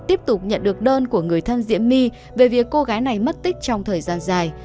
tiếp tục nhận được đơn của người thân diễm my về việc cô gái này mất tích trong thời gian dài